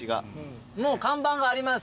もう看板があります。